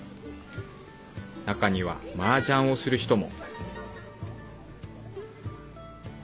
中にはマージャンをする人も。